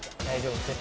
大丈夫。